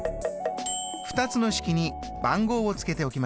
２つの式に番号をつけておきましょう。